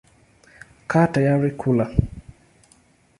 Kaa tayari kula.